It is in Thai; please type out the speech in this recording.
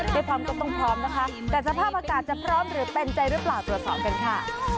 ไม่พร้อมก็ต้องพร้อมนะคะแต่สภาพอากาศจะพร้อมหรือเป็นใจหรือเปล่าตรวจสอบกันค่ะ